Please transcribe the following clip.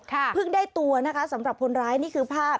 เพิ่งได้ตัวนะคะสำหรับคนร้ายนี่คือภาพ